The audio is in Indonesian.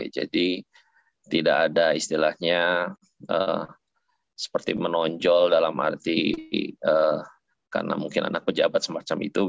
jadi tidak ada istilahnya seperti menonjol dalam arti karena mungkin anak pejabat semacam itu